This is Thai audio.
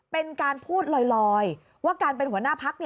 เป็นการพูดลอยว่าการเป็นหัวหน้าพัก